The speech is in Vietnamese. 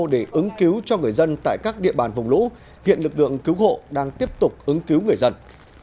để ứng cứu cho người dân tại các địa bàn vùng lũ hiện lực lượng cứu hộ đang tiếp tục ứng cứu người dân